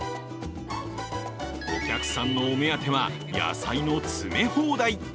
お客さんのお目当ては野菜の詰め放題。